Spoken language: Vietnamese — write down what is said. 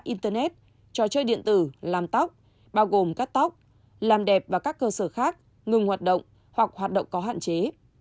internet trò chơi điện tử làm tóc bao gồm cắt tóc làm đẹp và các cơ sở khác ngừng hoạt động hoặc hoạt động có hạn chế